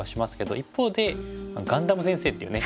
一方でガンダム先生っていうね